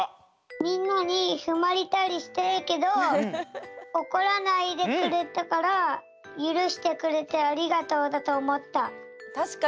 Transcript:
みんなにふまれたりしているけどおこらないでくれたからゆるしてくれてありがとうだとおもった。